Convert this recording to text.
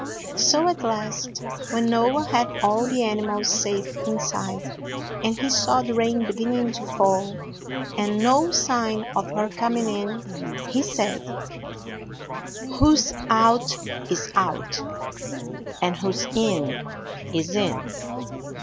So at last, when Noah had all the animals safe inside, and he saw the rain beginning to fall, and no sign of her coming in, he said: 'Who's out is out, and who's in is in!'